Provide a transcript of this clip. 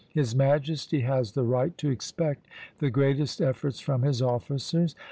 His Majesty has the right to expect the greatest efforts from his officers....